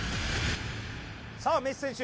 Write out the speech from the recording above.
さあメッシ選手